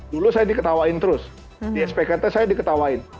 dulu saya diketawain terus di spkt saya diketawain